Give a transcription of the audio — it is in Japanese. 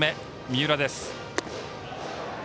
三浦です。